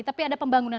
tapi ada pembangunan